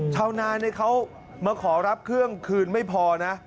ชาวนาเขามาขอรับเครื่องคืนไม่พอนะ